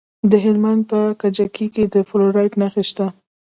د هلمند په کجکي کې د فلورایټ نښې شته.